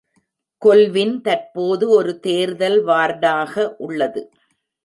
Colvin தற்போது ஒரு தேர்தல் வார்டாக உள்ளது.